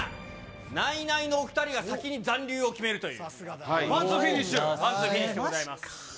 ナイナイのお２人が先に残留を決めるという。